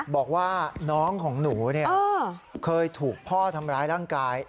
บอกว่าน้องของหนูเคยถูกพ่อทำร้ายร่างกาย